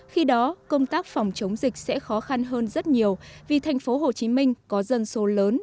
khi đó công tác phòng chống dịch sẽ khó khăn hơn rất nhiều vì tp hcm có dân số lớn